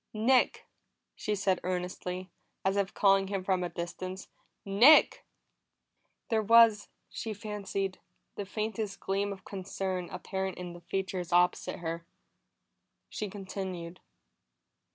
"Nick!" she said earnestly, as if calling him from a distance. "Nick!" There was, she fancied, the faintest gleam of concern apparent in the features opposite her. She continued.